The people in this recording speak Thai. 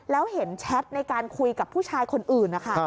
แล้วเห็นแชทในการคุยกับผู้ชายคนอื่นนะคะ